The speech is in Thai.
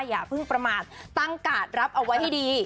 อย่าเพิ่งประมาทตั้งการ์ดรับเอาไว้ให้ดี